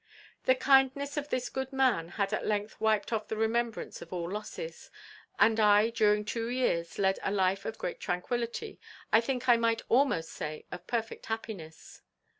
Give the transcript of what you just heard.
"The kindness of this good man had at length wiped off the remembrance of all losses; and I during two years led a life of great tranquillity, I think I might almost say of perfect happiness.